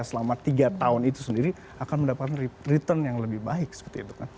selama tiga tahun itu sendiri akan mendapatkan return yang lebih baik seperti itu kan